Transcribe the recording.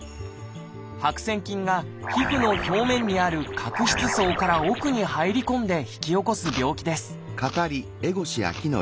白癬菌が皮膚の表面にある角質層から奥に入り込んで引き起こす病気です